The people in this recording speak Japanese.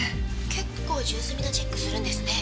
結構重隅なチェックするんですね。